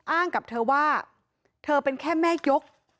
อ้างกับเธอว่าเธอเป็นแค่แม่ยก